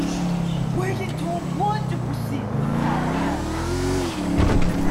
Wiggin told Wood to proceed with a proper master.